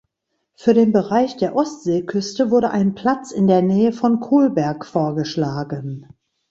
Für den Bereich der Ostseeküste wurde ein Platz in der Nähe von Kolberg vorgeschlagen.